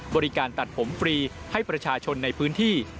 บริการตัดผมฟรีให้ประชาชนในพื้นที่